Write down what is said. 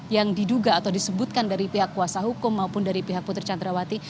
yang diduga atau disebutkan dari pihak kuasa hukum maupun dari pihak putri candrawati